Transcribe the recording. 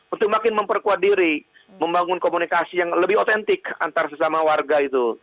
untuk makin memperkuat diri membangun komunikasi yang lebih otentik antar sesama warga itu